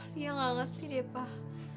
liat gak ngerti deh pak